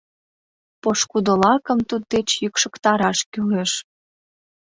Пошкудолакым туддеч йӱкшыктараш кӱлеш».